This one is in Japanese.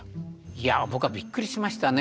いやぁ僕はびっくりしましたね。